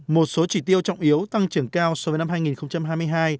một số chỉ tiêu trọng yếu tăng trưởng cao so với năm hai nghìn hai mươi hai